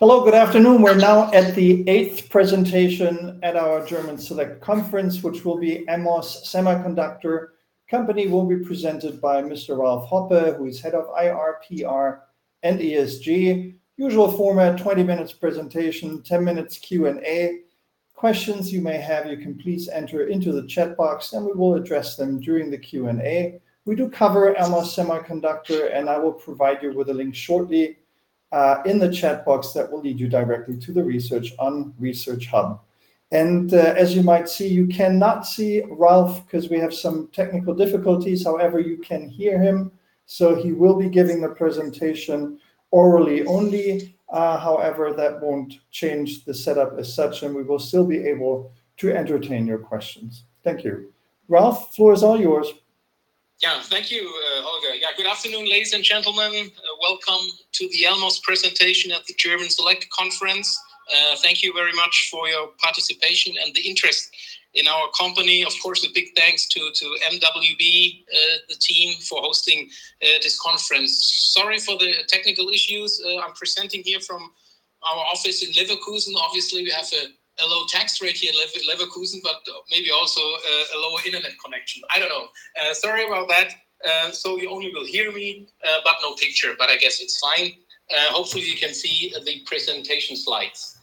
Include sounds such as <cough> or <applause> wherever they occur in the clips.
Hello, good afternoon. We're now at the eighth presentation at our German Select Conference, which will be Elmos Semiconductor. The company will be presented by Mr. Ralf Hoppe, who is Head of IR, PR, and ESG. Usual format, 20 minutes presentation, 10 minutes Q&A. Questions you may have, you can please enter into the chat box, and we will address them during the Q&A. We do cover Elmos Semiconductor, and I will provide you with a link shortly in the chat box that will lead you directly to the research on Research Hub. As you might see, you cannot see Ralf because we have some technical difficulties. However, you can hear him, so he will be giving the presentation orally only. However, that won't change the setup as such, and we will still be able to entertain your questions. Thank you. Ralf, floor is all yours. Yeah. Thank you, Holger. Good afternoon, ladies and gentlemen. Welcome to the Elmos presentation at the German Select Conference. Thank you very much for your participation and the interest in our company. Of course, a big thanks to mwb, the team, for hosting this conference. Sorry for the technical issues. I'm presenting here from our office in Leverkusen. Obviously, we have a low tax rate here in Leverkusen, but maybe also a lower internet connection. I don't know. Sorry about that. You only will hear me, but no picture. I guess it's fine. Hopefully, you can see the presentation slides.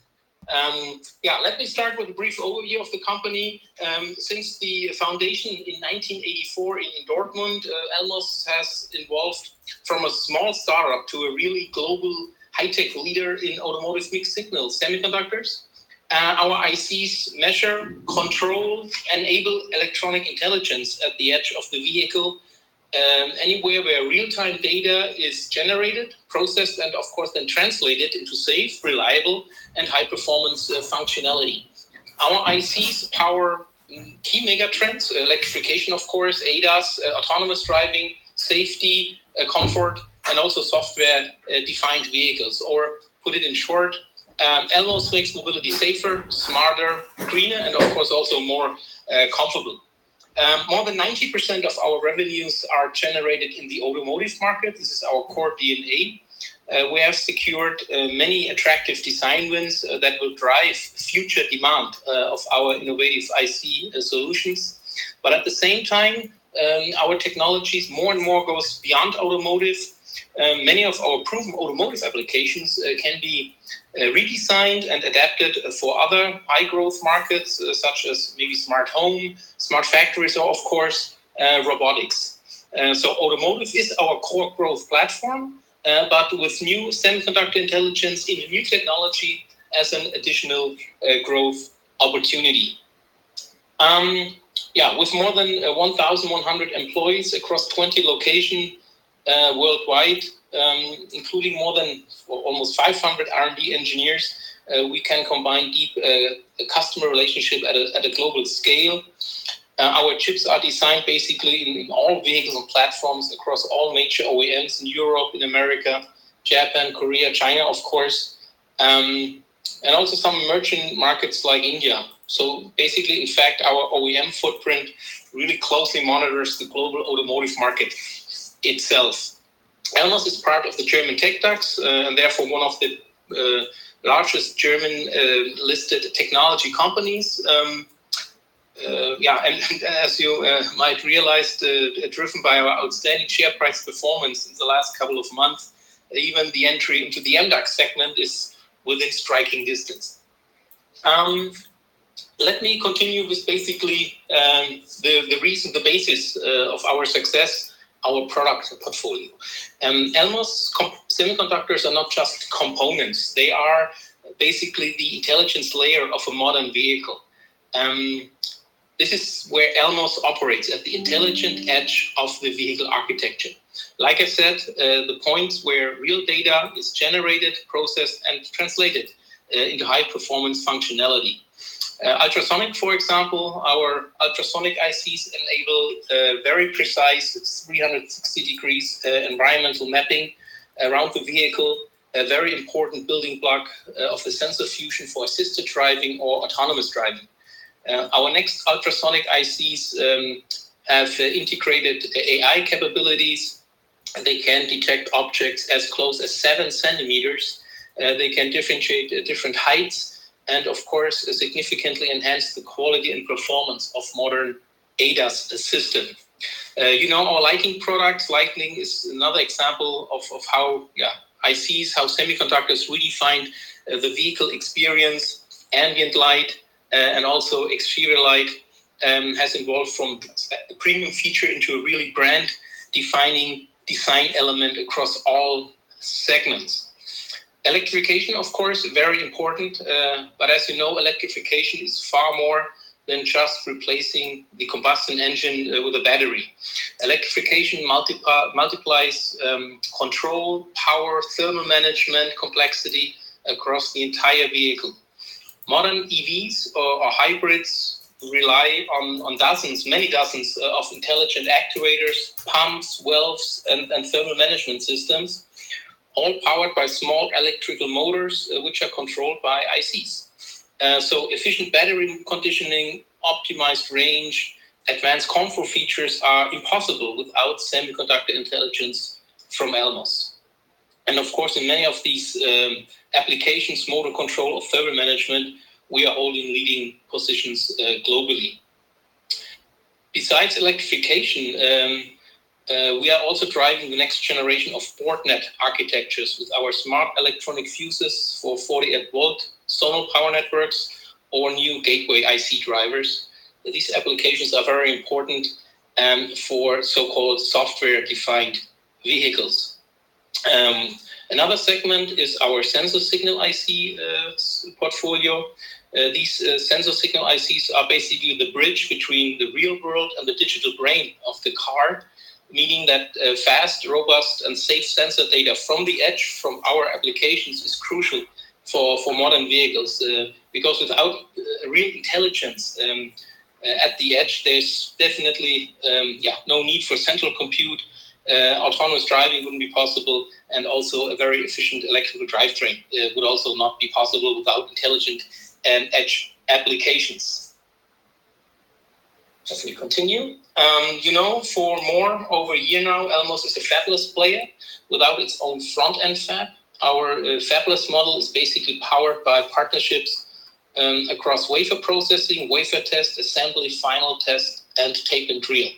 Let me start with a brief overview of the company. Since the foundation in 1984 in Dortmund, Elmos has evolved from a small startup to a really global high-tech leader in Automotive mixed-signal semiconductors. Our ICs measure, control, enable electronic intelligence at the edge of the vehicle, anywhere where real-time data is generated, processed, and of course, then translated into safe, reliable, and high-performance functionality. Our ICs power key megatrends, Electrification, of course, ADAS, autonomous driving, safety, comfort, and also software-defined vehicles. Put it in short, Elmos makes mobility safer, smarter, greener, and of course, also more comfortable. More than 90% of our revenues are generated in the Automotive market. This is our core DNA. We have secured many attractive design wins that will drive future demand of our innovative IC solutions. At the same time, our technologies more and more goes beyond Automotive. Many of our proven Automotive applications can be redesigned and adapted for other high-growth markets, such as maybe Smart Home, Smart Factories, or, of course, Robotics. Automotive is our core growth platform, but with new semiconductor intelligence in a new technology as an additional growth opportunity. With more than 1,100 employees across 20 locations worldwide, including more than almost 500 R&D engineers, we can combine deep customer relationship at a global scale. Our chips are designed basically in all vehicles and platforms across all major OEMs in Europe and America, Japan, Korea, China, of course, and also some emerging markets like India. Basically, in fact, our OEM footprint really closely monitors the global Automotive market itself. Elmos is part of the German TecDAX, and therefore one of the largest German-listed technology companies. As you might realize, driven by our outstanding share price performance in the last couple of months, even the entry into the MDAX segment is within striking distance. Let me continue with basically the basis of our success, our product portfolio. Elmos semiconductors are not just components. They are basically the intelligence layer of a modern vehicle. This is where Elmos operates, at the intelligent edge of the vehicle architecture, like I said, the points where real data is generated, processed, and translated into high-performance functionality. Ultrasonic, for example, our ultrasonic ICs enable very precise 360 degrees environmental mapping around the vehicle, a very important building block of the sensor fusion for assisted driving or autonomous driving. Our next ultrasonic ICs have integrated AI capabilities. They can detect objects as close as seven centimeters. They can differentiate different heights and, of course, significantly enhance the quality and performance of modern ADAS system. You know our lighting products. Lighting is another example of how ICs, how semiconductors really define the vehicle experience. Ambient light and also exterior light has evolved from premium feature into a really brand-defining design element across all segments. Electrification, of course, very important, as you know, Electrification is far more than just replacing the combustion engine with a battery. Electrification multiplies control, power, thermal management complexity across the entire vehicle. Modern EVs or hybrids rely on dozens, many dozens of intelligent actuators, pumps, valves, and thermal management systems, all powered by small electrical motors, which are controlled by ICs. Efficient battery conditioning, optimized range, advanced control features are impossible without semiconductor intelligence from Elmos. Of course, in many of these applications, motor control or thermal management, we are holding leading positions globally. Besides Electrification, we are also driving the next generation of board net architectures with our smart electronic fuses for 48 V zonal power networks or new gateway IC drivers. These applications are very important for so-called software-defined vehicles. Another segment is our sensor signal IC portfolio. These sensor signal ICs are basically the bridge between the real world and the digital brain of the car, meaning that fast, robust, and safe sensor data from the edge, from our applications, is crucial for modern vehicles. Because without real intelligence at the edge, there's definitely no need for central compute, autonomous driving wouldn't be possible, and also a very efficient electrical drivetrain would also not be possible without intelligent edge applications. As we continue. For more over a year now, Elmos is a fabless player without its own front-end fab. Our fabless model is basically powered by partnerships across wafer processing, wafer test, assembly, final test, and tape-and-reel.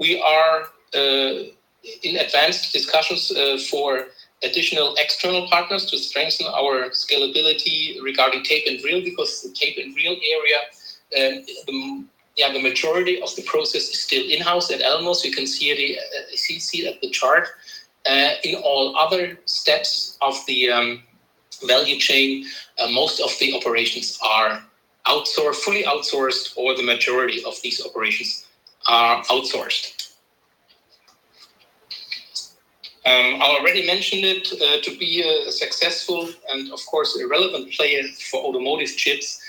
We are in advanced discussions for additional external partners to strengthen our scalability regarding tape-and-reel, because the tape-and-reel area, the majority of the process is still in-house at Elmos. You can see that in the chart. In all other steps of the value chain, most of the operations are fully outsourced, or the majority of these operations are outsourced. I already mentioned it. To be a successful and, of course, a relevant player for Automotive chips,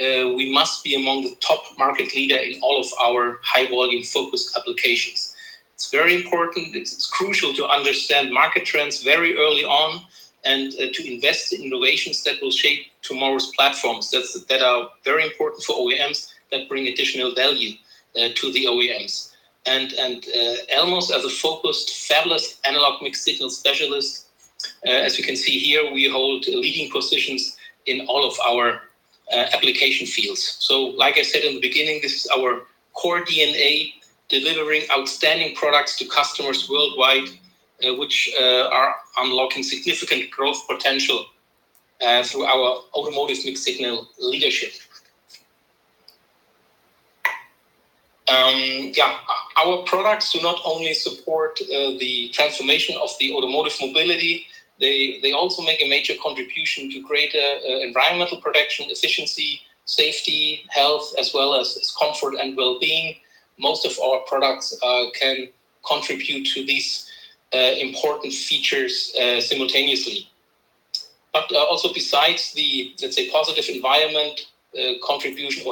we must be among the top market leader in all of our high-volume focused applications. It's very important. It's crucial to understand market trends very early on and to invest in innovations that will shape tomorrow's platforms that are very important for OEMs, that bring additional value to the OEMs. Elmos, as a focused fabless analog mixed-signal specialist, as you can see here, we hold leading positions in all of our application fields. Like I said in the beginning, this is our core DNA, delivering outstanding products to customers worldwide, which are unlocking significant growth potential through our Automotive mixed-signal leadership. Our products do not only support the transformation of the Automotive mobility, they also make a major contribution to greater environmental protection, efficiency, safety, health, as well as comfort and well-being. Most of our products can contribute to these important features simultaneously. Also besides the, let's say, positive environmental contribution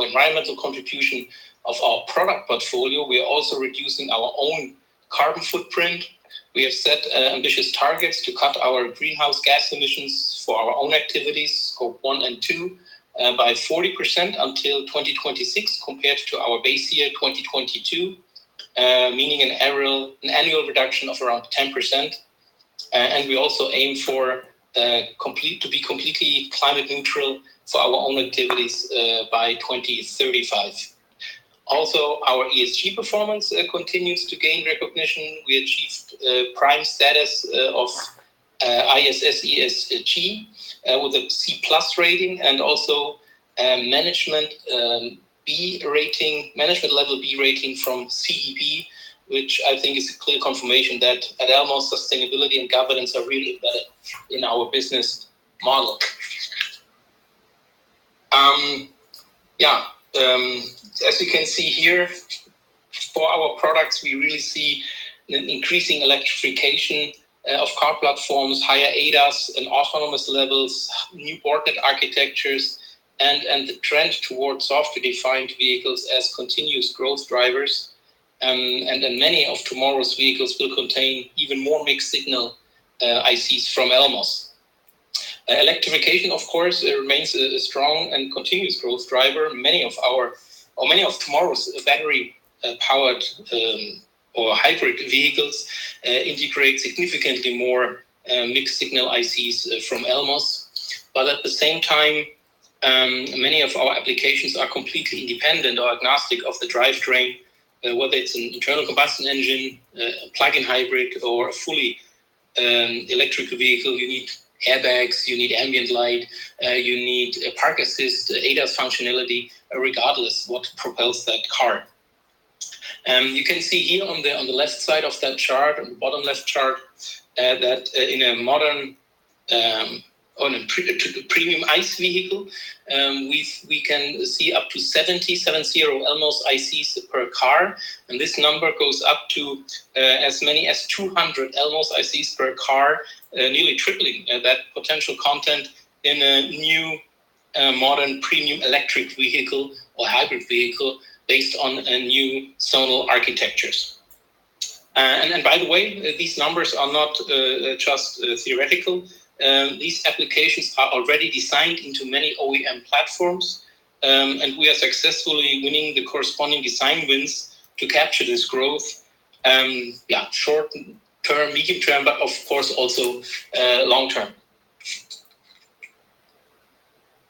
of our product portfolio, we are also reducing our own carbon footprint. We have set ambitious targets to cut our greenhouse gas emissions for our own activities, Scope 1 and 2, by 40% until 2026, compared to our base year 2022, meaning an annual reduction of around 10%. We also aim to be completely climate neutral for our own activities by 2035. Also, our ESG performance continues to gain recognition. We achieved prime status of ISS ESG with a C+ rating and also management level B rating from CDP, which I think is a clear confirmation that at Elmos, sustainability and governance are really embedded in our business model. As you can see here, for our products, we really see an increasing electrification of car platforms, higher ADAS and autonomous levels, new board net architectures, and the trend towards software-defined vehicles as continuous growth drivers. Many of tomorrow's vehicles will contain even more mixed-signal ICs from Elmos. Electrification, of course, remains a strong and continuous growth driver. Many of tomorrow's battery-powered or hybrid vehicles integrate significantly more mixed-signal ICs from Elmos. But at the same time, many of our applications are completely independent or agnostic of the drivetrain, whether it's an internal combustion engine, plug-in hybrid, or a fully electric vehicle. You need airbags, you need ambient light, you need park assist, ADAS functionality, regardless what propels that car. You can see here on the left side of that chart, on the bottom left chart, that in a premium ICE vehicle, we can see up to 70 <audio distortion> Elmos ICs per car, and this number goes up to as many as 200 Elmos ICs per car, nearly tripling that potential content in a new, modern, premium electric vehicle or hybrid vehicle based on new SoL architectures. And by the way, these numbers are not just theoretical. These applications are already designed into many OEM platforms, and we are successfully winning the corresponding design wins to capture this growth. Yeah. Short-term, medium-term, but of course, also long-term.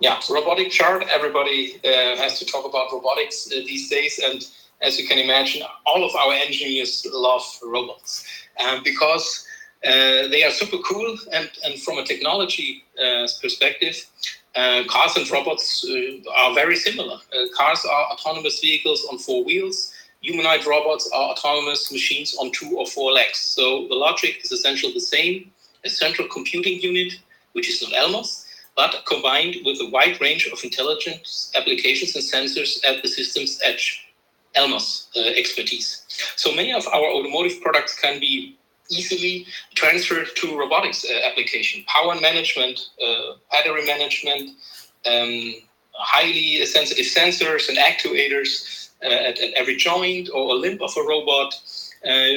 Yeah. Robotics chart. Everybody has to talk about Robotics these days. As you can imagine, all of our engineers love robots because they are super cool. From a technology perspective, cars and robots are very similar. Cars are autonomous vehicles on four wheels. Humanoid robots are autonomous machines on two or four legs. The logic is essentially the same. A central computing unit, which is an Elmos, but combined with a wide range of intelligence applications and sensors at the system's edge, Elmos expertise. Many of our Automotive products can be easily transferred to Robotics application, power management, battery management, highly sensitive sensors, and actuators at every joint or a limb of a robot.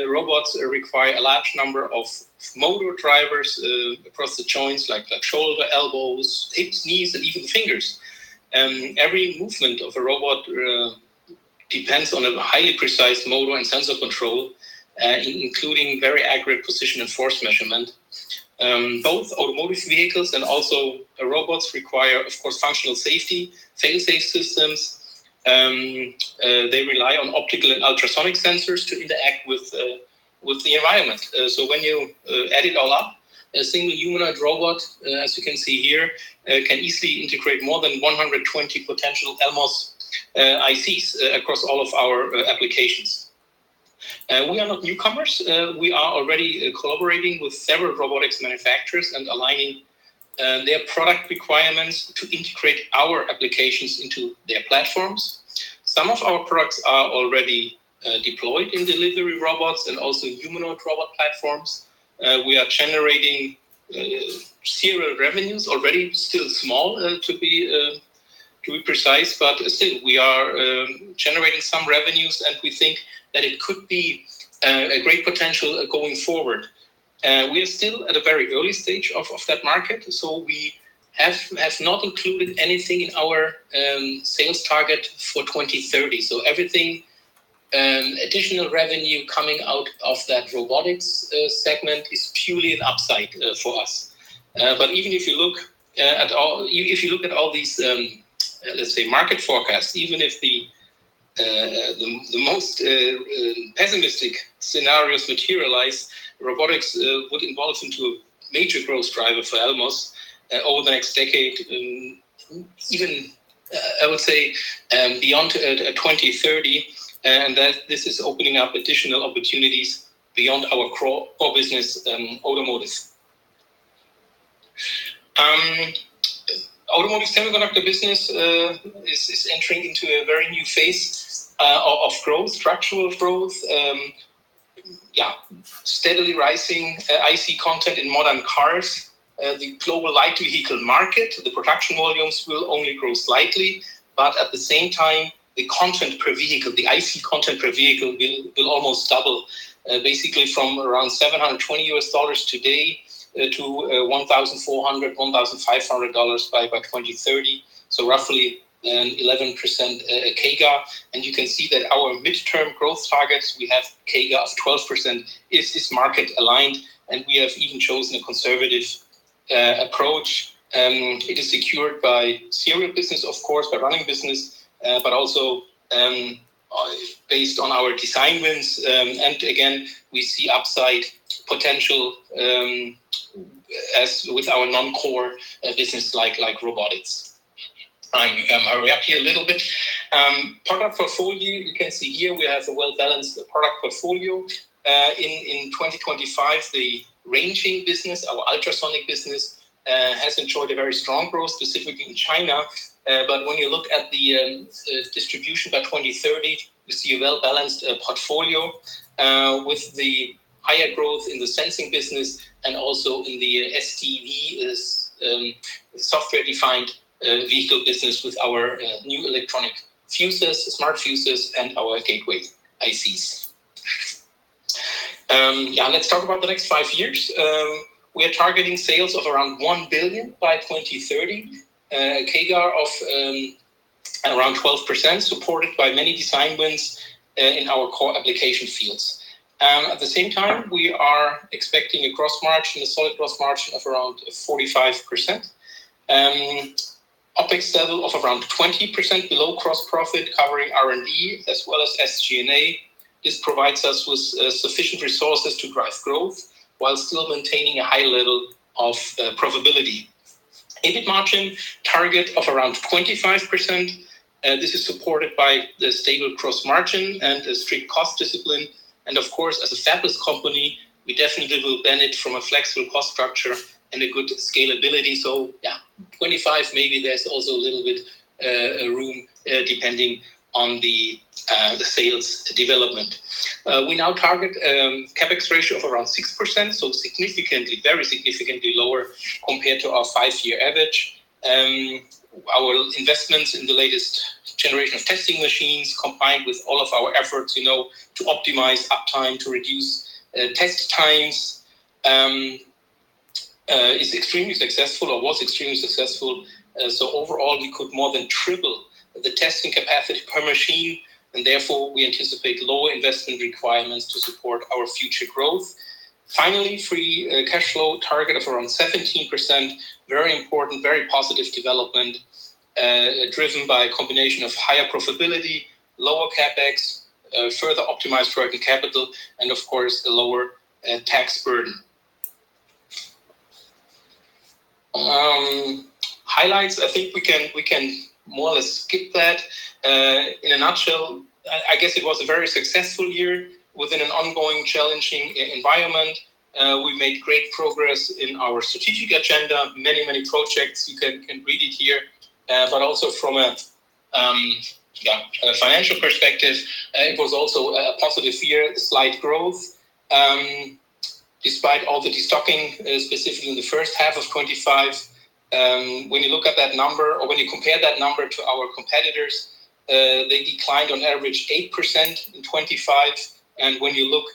Robots require a large number of motor drivers across the joints like shoulder, elbows, hips, knees, and even fingers. Every movement of a robot depends on a highly precise motor and sensor control, including very accurate position and force measurement. Both Automotive vehicles and also robots require, of course, functional safety, fail-safe systems. They rely on optical and ultrasonic sensors to interact with the environment. When you add it all up, a single humanoid robot, as you can see here, can easily integrate more than 120 potential Elmos ICs across all of our applications. We are not newcomers. We are already collaborating with several Robotics manufacturers and aligning their product requirements to integrate our applications into their platforms. Some of our products are already deployed in delivery robots and also humanoid robot platforms. We are generating serial revenues already. Still small to be precise, but still, we are generating some revenues, and we think that it could be a great potential going forward. We are still at a very early stage of that market. We have not included anything in our sales target for 2030. Everything, additional revenue coming out of that Robotics segment is purely an upside for us. Even if you look at all these, let's say, market forecasts, even if the most pessimistic scenarios materialize, Robotics would evolve into a major growth driver for Elmos over the next decade, even, I would say, beyond 2030, and that this is opening up additional opportunities beyond our core business, Automotives. Automotive Semiconductor business is entering into a very new phase of growth, structural growth. Yeah, steadily rising IC content in modern cars. The global light vehicle market, the production volumes will only grow slightly, but at the same time, the content per vehicle, the IC content per vehicle will almost double, basically from around $720 today to $1,400-$1,500 by 2030. Roughly an 11% CAGR. You can see that our midterm growth targets, we have CAGR of 12% is this market aligned, and we have even chosen a conservative approach. It is secured by serial business, of course, by running business, but also based on our design wins. Again, we see upside potential as with our non-core business like Robotics. I hurry up here a little bit. Product portfolio, you can see here we have a well-balanced product portfolio. In 2025, the ranging business, our ultrasonic business, has enjoyed a very strong growth, specifically in China. When you look at the distribution by 2030, you see a well-balanced portfolio with the higher growth in the sensing business and also in the SDV, software-defined vehicle business with our new electronic fuses, smart fuses, and our gateway ICs. Yeah. Let's talk about the next five years. We are targeting sales of around 1 billion by 2030, a CAGR of around 12%, supported by many design wins in our core application fields. At the same time, we are expecting a gross margin, a solid gross margin of around 45%, OpEx level of around 20% below gross profit covering R&D as well as SG&A. This provides us with sufficient resources to drive growth while still maintaining a high level of profitability. EBIT margin target of around 25%. This is supported by the stable gross margin and a strict cost discipline. Of course, as a fabless company, we definitely will benefit from a flexible cost structure and a good scalability. Yeah, 25%, maybe there's also a little bit room depending on the sales development. We now target CapEx ratio of around 6%, so very significantly lower compared to our five-year average. Our investments in the latest generation of testing machines, combined with all of our efforts to optimize uptime, to reduce test times, is extremely successful or was extremely successful. Overall, we could more than triple the testing capacity per machine, and therefore, we anticipate lower investment requirements to support our future growth. Finally, free cash flow target of around 17%, very important, very positive development, driven by a combination of higher profitability, lower CapEx, further optimized working capital, and of course, a lower tax burden. Highlights, I think we can more or less skip that. In a nutshell, I guess it was a very successful year within an ongoing challenging environment. We made great progress in our strategic agenda, many projects. You can read it here. But also from a financial perspective, it was also a positive year, slight growth, despite all the de-stocking, specifically in the first half of 2025. When you look at that number or when you compare that number to our competitors, they declined on average 8% in 2025. And when you look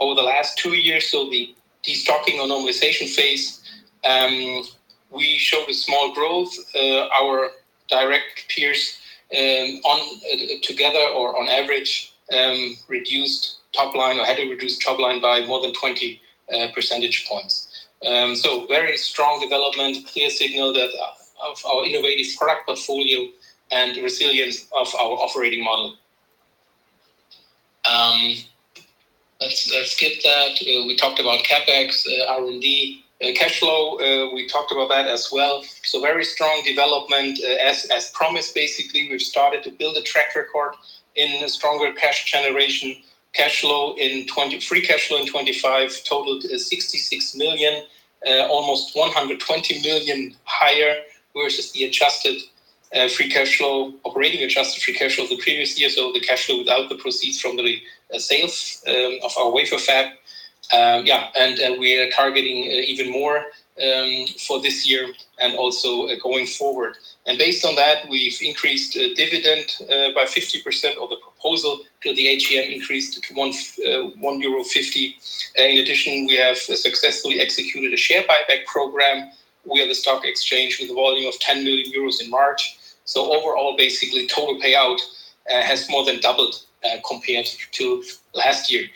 over the last two years, so the de-stocking or normalization phase, we showed a small growth. Our direct peers together or on average, reduced top line or had to reduce top line by more than 20 percentage points. So very strong development, clear signal of our innovative product portfolio and resilience of our operating model. Let's skip that. We talked about CapEx, R&D. Cash flow, we talked about that as well. Very strong development. As promised, basically, we've started to build a track record in stronger cash generation. Free cash flow in 2025 totaled 66 million, almost 120 million higher versus the operating adjusted free cash flow the previous year, the cash flow without the proceeds from the sales of our wafer fab. Yeah, we are targeting even more for this year and also going forward. Based on that, we've increased dividend by 50%. The proposal to the AGM increased to 1.50 euro. In addition, we have successfully executed a share buyback program via the stock exchange with a volume of 10 million euros in March. Overall, basically total payout has more than doubled compared to last year.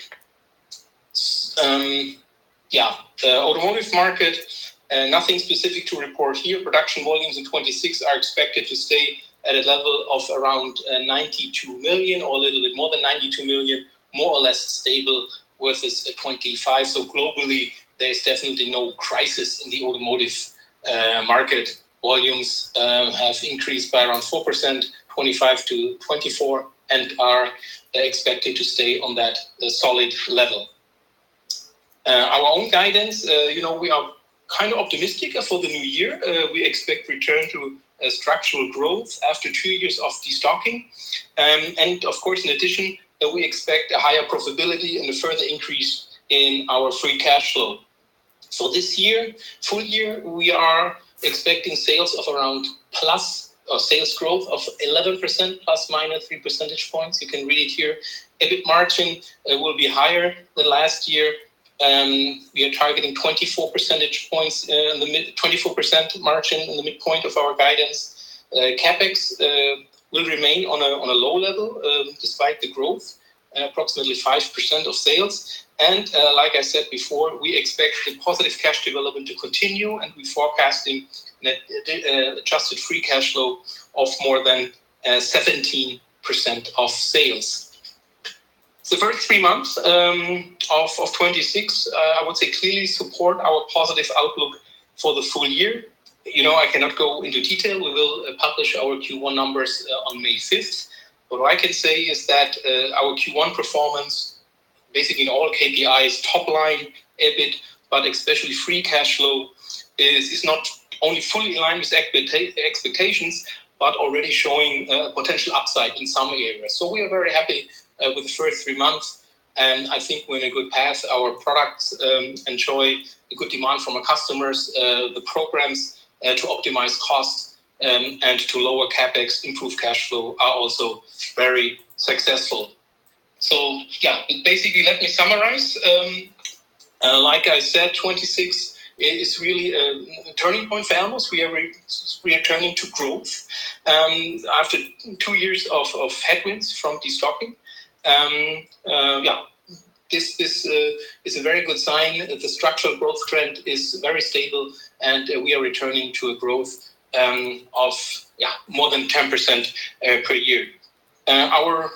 Yeah. The Automotive market, nothing specific to report here. Production volumes in 2026 are expected to stay at a level of around 92 million or a little bit more than 92 million, more or less stable versus 2025. Globally, there is definitely no crisis in the Automotive market. Volumes have increased by around 4%, 2025 to 2024, and are expected to stay on that solid level. Our own guidance, we are optimistic for the new year. We expect return to structural growth after two years of de-stocking. Of course, in addition, we expect a higher profitability and a further increase in our free cash flow. This year, full year, we are expecting sales growth of 11% ±3 percentage points. You can read it here. EBIT margin will be higher than last year. We are targeting 24 percentage points, 24% margin in the midpoint of our guidance. CapEx will remain on a low level despite the growth, approximately 5% of sales. Like I said before, we expect the positive cash development to continue and we're forecasting adjusted free cash flow of more than 17% of sales. The first three months of 2026, I would say clearly support our positive outlook for the full year. I cannot go into detail. We will publish our Q1 numbers on May 5th. What I can say is that our Q1 performance, basically in all KPIs, top line, EBIT, but especially free cash flow, is not only fully in line with expectations, but already showing potential upside in some areas. We are very happy with the first three months, and I think we're in a good path. Our products enjoy a good demand from our customers. The programs to optimize costs and to lower CapEx, improve cash flow are also very successful. Yeah, basically let me summarize. Like I said, 2026 is really a turning point for Elmos. We are returning to growth, after two years of headwinds from de-stocking. Yeah, this is a very good sign that the structural growth trend is very stable, and we are returning to a growth of, yeah, more than 10% per year. Our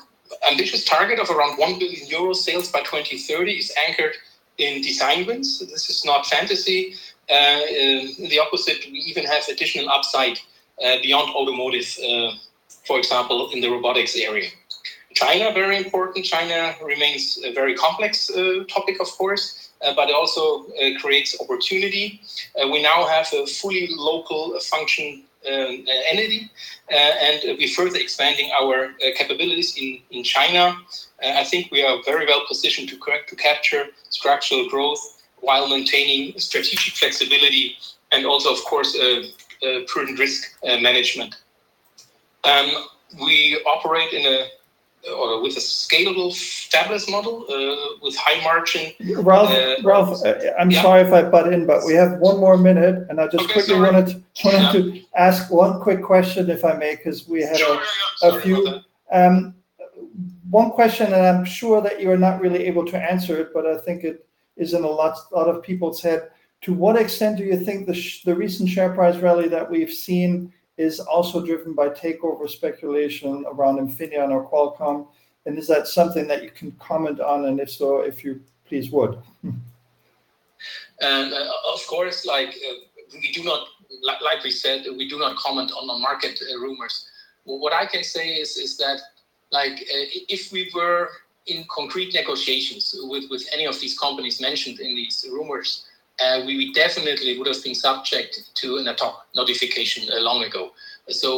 ambitious target of around 1 billion euro sales by 2030 is anchored in design wins. This is not fantasy. The opposite, we even have additional upside beyond Automotive, for example, in the Robotics area. China, very important. China remains a very complex topic of course, but also creates opportunity. We now have a fully local function entity. We're further expanding our capabilities in China. I think we are very well positioned to capture structural growth while maintaining strategic flexibility and also, of course, prudent risk management. We operate with a scalable established model with high margin. Ralf? Yeah. Ralf, I'm sorry if I butt in, but we have one more minute. Okay, sorry. I quickly want a chance to ask one quick question, if I may, because we had a few. Sure. No problem. One question, and I'm sure that you're not really able to answer it, but I think it is in a lot of people's head. To what extent do you think the recent share price rally that we've seen is also driven by takeover speculation around Infineon or Qualcomm, and is that something that you can comment on? If so, if you please would. Of course, like we said, we do not comment on the market rumors. What I can say is that if we were in concrete negotiations with any of these companies mentioned in these rumors, we definitely would have been subject to an ad hoc notification long ago.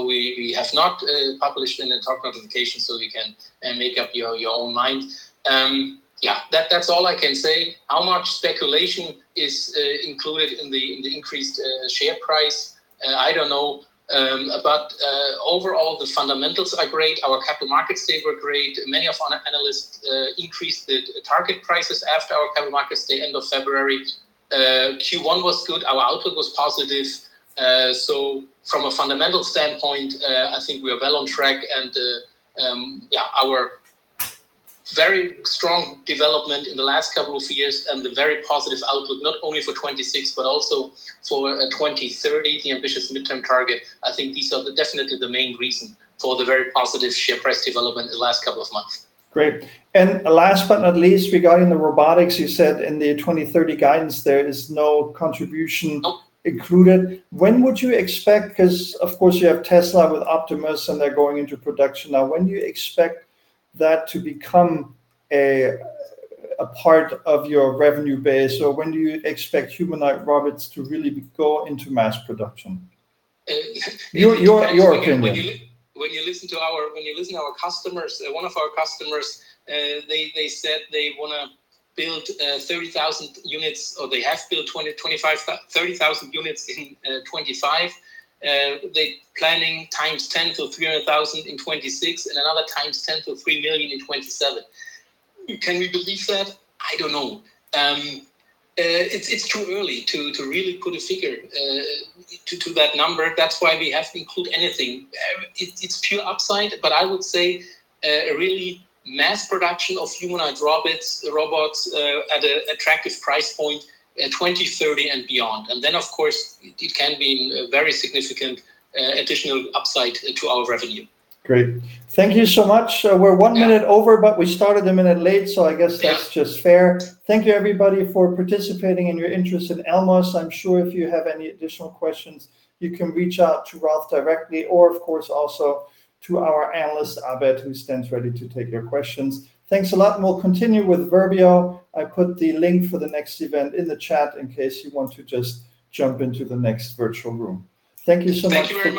We have not published an ad hoc notification, so you can make up your own mind. Yeah. That's all I can say. How much speculation is included in the increased share price? I don't know. Overall, the fundamentals are great. Our Capital Markets Day were great. Many of our analysts increased the target prices after our Capital Markets Day, end of February. Q1 was good. Our outlook was positive. From a fundamental standpoint, I think we are well on track. Yeah, our very strong development in the last couple of years and the very positive outlook, not only for 2026 but also for 2030, the ambitious midterm target, I think these are definitely the main reason for the very positive share price development in the last couple of months. Great. Last but not least, regarding the Robotics, you said in the 2030 guidance there is no contribution included. Because of course you have Tesla with Optimus and they're going into production now, when do you expect that to become a part of your revenue base, or when do you expect humanoid robots to really go into mass production? Your opinion. When you listen to our customers, one of our customers they said they want to build 30,000 units, or they have built 30,000 units in 2025. They planning 10x to 300,000 in 2026 and another 10x to 3 million in 2027. Can we believe that? I don't know. It's too early to really put a figure to that number. That's why we haven't include anything. It's pure upside, but I would say, really mass production of humanoid robots at an attractive price point in 2030 and beyond. Of course, it can be very significant additional upside to our revenue. Great. Thank you so much. We're one minute over, but we started a minute late, so I guess that's just fair. Thank you everybody for participating and your interest in Elmos. I'm sure if you have any additional questions, you can reach out to Ralf directly or, of course, also to our analyst, [Albert], who stands ready to take your questions. Thanks a lot, and we'll continue with Verbio. I put the link for the next event in the chat in case you want to just jump into the next virtual room. Thank you so much. Thank you very much.